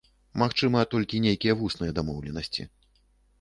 Магчыма, толькі нейкія вусныя дамоўленасці.